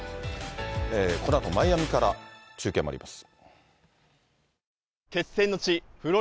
このあと、マイアミから中継もあります。